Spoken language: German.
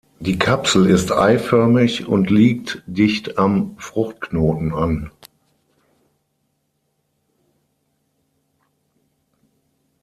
Die Kapsel ist eiförmig und liegt dicht am Fruchtknoten an.